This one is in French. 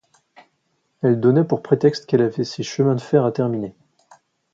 Elle donna pour prétexte qu’elle avait ses chemins de fer à terminer.